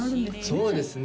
そうですね